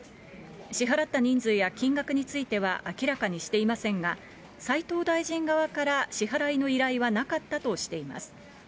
支払った人数や金額については明らかにしていませんが、斉藤大臣側から支払いの依頼はなかったとしています。